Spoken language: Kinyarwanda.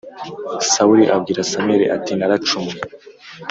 Sawuli abwira samweli ati naracumuye